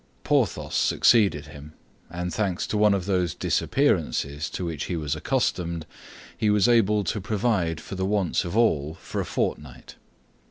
Porthos succeeded him; and thanks to one of those disappearances to which he was accustomed, he was able to provide for the wants of all for a fortnight.